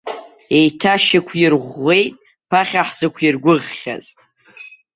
Еиҭашьақәирӷәӷәеит ԥахьа ҳзықәиргәыӷхьаз.